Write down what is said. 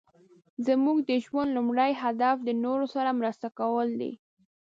زموږ د ژوند لومړی هدف د نورو سره مرسته کول دي.